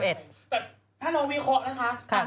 แต่ถ้าเรามีขวดนะคะ